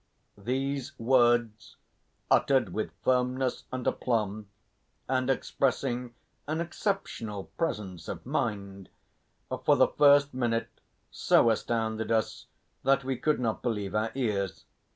These words, uttered with firmness and aplomb, and expressing an exceptional presence of mind, for the first minute so astounded us that we could not believe our ears.